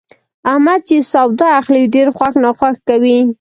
احمد چې سودا اخلي، ډېر خوښ ناخوښ کوي.